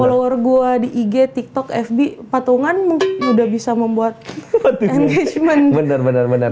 follower gua di ig tiktok fb patungan mungkin udah bisa membuat engagement bener bener